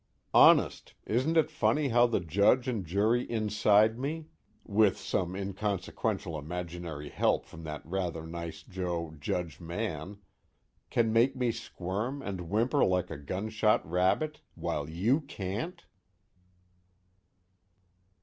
Honest, isn't it funny how the judge and jury inside me (with some inconsequential imaginary help from that rather nice joe Judge Mann) can make me squirm and whimper like a gut shot rabbit, while YOU CAN'T?